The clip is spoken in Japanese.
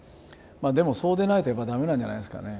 でもそうでないとやっぱダメなんじゃないですかね。